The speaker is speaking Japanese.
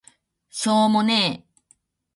しょーもね